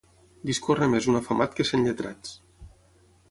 Discorre més un afamat que cent lletrats.